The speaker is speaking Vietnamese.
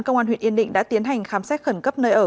công an huyện yên định đã tiến hành khám xét khẩn cấp nơi ở